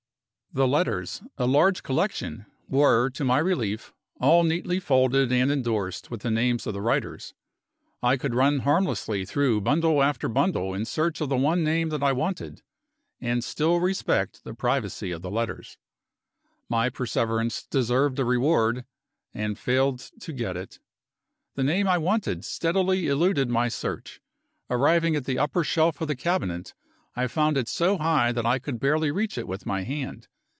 The letters a large collection were, to my relief, all neatly folded, and indorsed with the names of the writers. I could run harmlessly through bundle after bundle in search of the one name that I wanted, and still respect the privacy of the letters. My perseverance deserved a reward and failed to get it. The name I wanted steadily eluded my search. Arriving at the upper shelf of the cabinet, I found it so high that I could barely reach it with my hand.